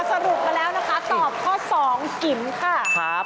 อ่าสรุปมาแล้วนะคะตอบข้อสองกิ๊มค่ะ